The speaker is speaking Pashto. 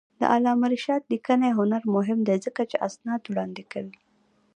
د علامه رشاد لیکنی هنر مهم دی ځکه چې اسناد وړاندې کوي.